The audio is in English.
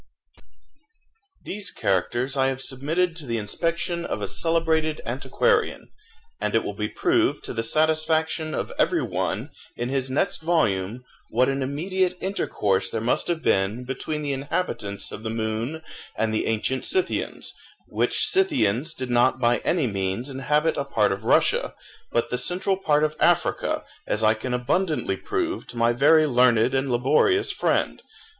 These characters I have submitted to the inspection of a celebrated antiquarian, and it will be proved to the satisfaction of every one, in his next volume, what an immediate intercourse there must have been between the inhabitants of the moon and the ancient Scythians, which Scythians did not by any means inhabit a part of Russia, but the central part of Africa, as I can abundantly prove to my very learned and laborious friend.